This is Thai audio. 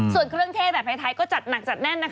ส่วนเครื่องเทศแบบไทยก็จัดหนักจัดแน่น